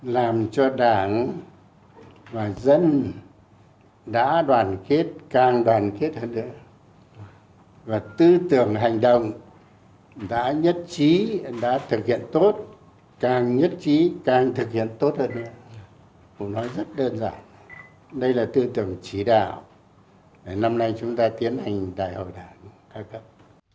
làm cho đảng và dân đã đoàn kết càng đoàn kết hơn nữa và tư tưởng hành động đã nhất trí đã thực hiện tốt càng nhất trí càng thực hiện tốt hơn nữa cũng nói rất đơn giản đây là tư tưởng chỉ đạo để năm nay chúng ta tiến hành đại hội đảng các cấp